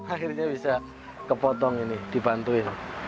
akhirnya bisa kepotong ini dibantuin